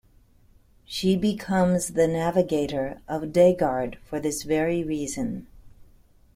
She becomes the navigator of Dai-Guard for this very reason.